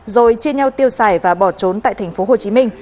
rồi chia nhau tiêu xài và bỏ trốn tại tp hcm